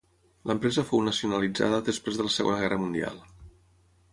L'empresa fou nacionalitzada després de la Segona Guerra Mundial.